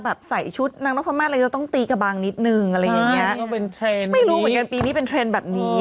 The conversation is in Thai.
ไม่รู้เหมือนกันพรีนี้เป็นเทรนด์แบบนี้